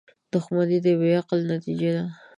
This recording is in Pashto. • دښمني د بې عقلۍ نتیجه ده.